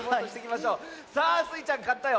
さあスイちゃんかったよ。